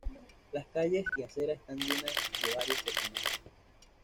Las calles y aceras están llenas de varios personajes.